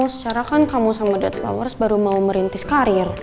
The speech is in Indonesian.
secara kan kamu sama detlowers baru mau merintis karir